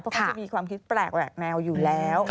มันจะมีความคิดแปลกแบบแนวอยู่แล้ว